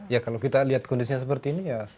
ya kalau kita lihat kondisinya seperti ini ya